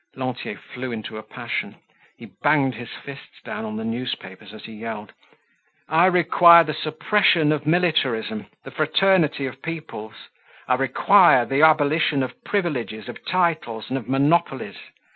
Lantier flew into a passion. He banged his fists down on the newspapers as he yelled: "I require the suppression of militarism, the fraternity of peoples. I require the abolition of privileges, of titles, and of monopolies.